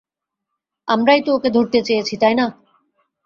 আমরাই তো ওকে ধরতে চেয়েছি, তাই না?